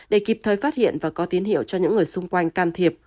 để kịp thời phát hiện và có tín hiệu cho những người xung quanh can thiệp